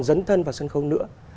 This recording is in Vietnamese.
dấn thân vào sân khấu nữa